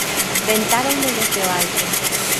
Ventáronme desde o alto.